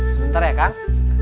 sebentar ya kang